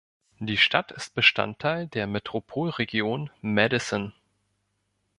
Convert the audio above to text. Die Stadt ist Bestandteil der Metropolregion Madison.